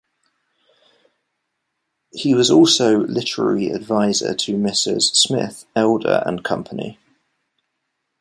He was also literary adviser to Messrs Smith, Elder and Company.